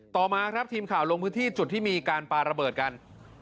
ต่อมาครับทีมข่าวลงพื้นที่จุดที่มีการปาระเบิดกัน